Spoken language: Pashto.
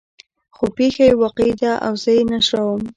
خو پېښه يې واقعي ده او زه یې نشروم.